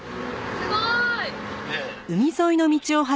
すごいね。